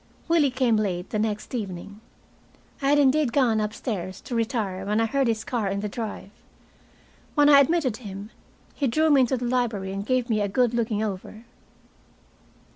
Willie came late the next evening. I had indeed gone up stairs to retire when I heard his car in the drive. When I admitted him, he drew me into the library and gave me a good looking over.